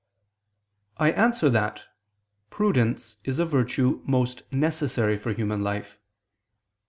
I answer that, Prudence is a virtue most necessary for human life.